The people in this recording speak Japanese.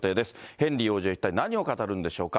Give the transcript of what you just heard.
ヘンリー王子は一体何を語るんでしょうか。